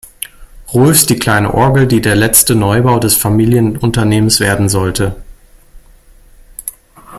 Rohlfs die kleine Orgel, die der letzte Neubau des Familienunternehmens werden sollte.